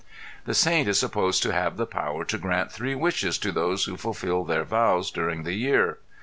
This saint is supposed to have the power to grant three wishes to those who fulfill their vows during the year.